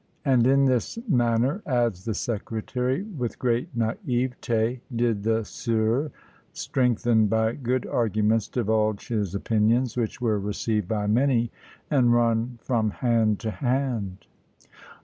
"And in this manner," adds the secretary with great naïveté, "did the sieur, strengthened by good arguments, divulge his opinions, which were received by many, and run from hand to hand."